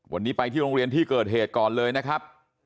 วันนี้ไปที่โรงเรียนที่เกิดเหตุก่อนเลยนะครับ